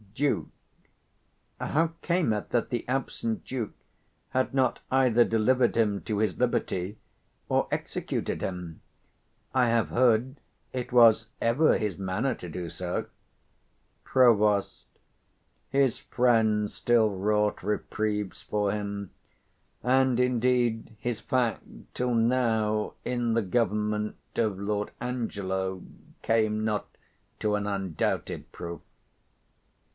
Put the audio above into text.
Duke. How came it that the absent Duke had not 125 either delivered him to his liberty or executed him? I have heard it was ever his manner to do so. Prov. His friends still wrought reprieves for him: and, indeed, his fact, till now in the government of Lord Angclo, came not to an undoubtful proof.